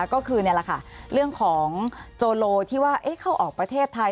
ก็คือนี่แหละค่ะเรื่องของโจโลที่ว่าเข้าออกประเทศไทย